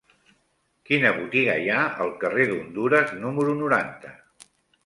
Quina botiga hi ha al carrer d'Hondures número noranta?